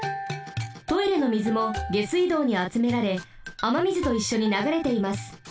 トイレの水も下水道にあつめられあま水といっしょにながれています。